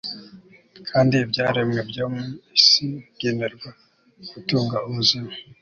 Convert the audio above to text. kandi ibyaremwe byo mu isi bigenerwa gutanga ubuzima